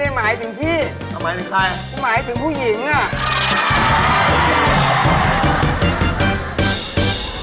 ก็หมายถึงพี่หมายถึงใคร